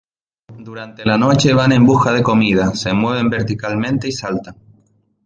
Durante la noche van en busca de comida, se mueven verticalmente y saltan.